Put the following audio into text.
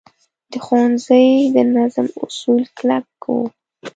د ښوونځي د نظم اصول کلک وو.